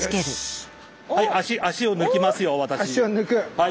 はい。